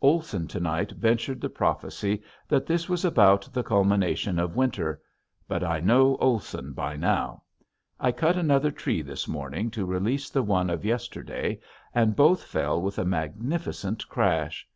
Olson to night ventured the prophecy that this was about the culmination of winter but I know Olson by now. I cut another tree this morning to release the one of yesterday and both fell with a magnificent crash.